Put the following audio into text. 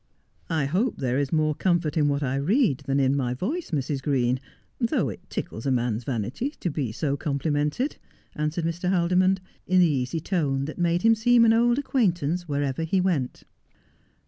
' I hope there is more comfort in what I read than in my voice, Mrs. Green, though it tickles a man's vanity to be so com plimented,' answered Mr. Haldimond, in the easy tone that made him seem an old acquaintance wherever he went.